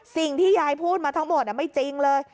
สิ่งที่ยายพูดมาทั้งหมดไม่จริงเลย